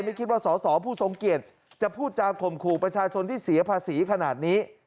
ไม่คิดว่าสอสอผู้ทรงเกียจจะพูดจาข่มขู่ประชาชนที่เสียภาษีขนาดนี้